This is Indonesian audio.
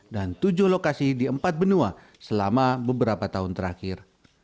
dan tujuh lokasi di empat benua selama beberapa tahun terakhir